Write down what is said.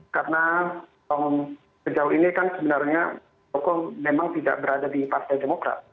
karena sejauh ini kan sebenarnya muldoko memang tidak berada di partai demokrat